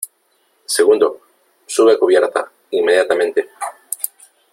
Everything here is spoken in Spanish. segundo , sube a cubierta inmediatamente .